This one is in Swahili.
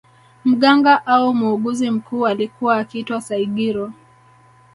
Mganga au muuguzi mkuu alikuwa akiitwa Saigiro